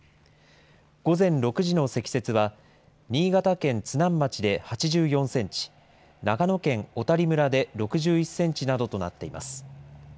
午前６時の積雪は、新潟県津南町で８４センチ、長野県小谷村で６１センチなどとなっています。